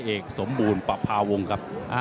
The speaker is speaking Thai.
ส่วนคู่ต่อไปของกาวสีมือเจ้าระเข้ยวนะครับขอบคุณด้วย